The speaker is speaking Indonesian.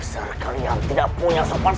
besar kalian tidak punya sopan